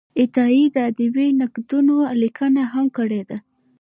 عطایي د ادبي نقدونو لیکنه هم کړې ده.